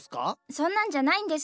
そんなんじゃないんです。